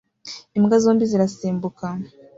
Imbwa zombi zirasimbuka